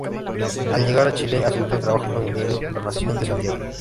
Al llegar a Chile, acepta trabajo en el diario "La Nación" de Santiago.